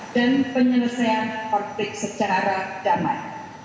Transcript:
dan penyelesaian politik secara damai